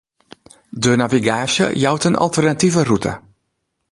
De navigaasje jout in alternative rûte.